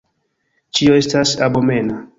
Ĉio estas abomena.